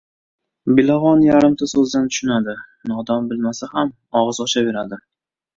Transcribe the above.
• Bilag‘on yarimta so‘zdan tushunadi, nodon bilmasa ham og‘iz ochaveradi.